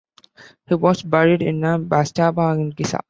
He was buried in a mastaba in Giza.